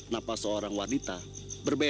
napas seorang wanita berbeda dengan napas laki laki